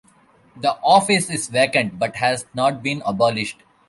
The office is vacant but has not been abolished.